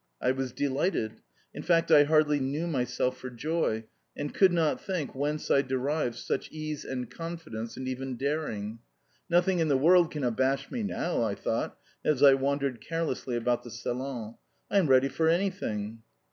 I was delighted. In fact I hardly knew myself for joy and could not think whence I derived such case and confidence and even daring. "Nothing in the world can abash me now," I thought as I wandered carelessly about the salon. "I am ready for anything."